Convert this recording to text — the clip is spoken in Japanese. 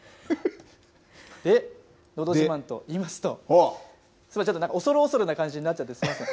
で、のど自慢といいますと、すみません、恐る恐るな感じになっちゃってすみません。